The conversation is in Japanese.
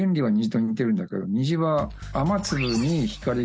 虹は。